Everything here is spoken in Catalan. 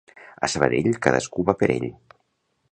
A Sabadell cadascú va per ell